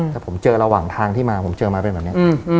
แต่ผมเจอระหว่างทางที่มาผมเจอมาเป็นแบบนี้